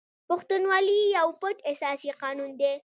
پښتونولي یو پټ اساسي قانون دی.